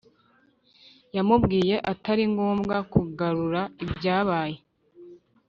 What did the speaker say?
yamubwiye ataringombwa kugarura ibyabaye